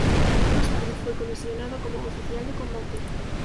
Más tarde fue comisionado como oficial de combate.